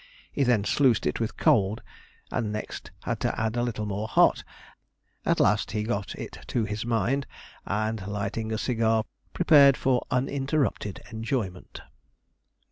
He then sluiced it with cold, and next had to add a little more hot; at last he got it to his mind, and lighting a cigar, prepared for uninterrupted enjoyment.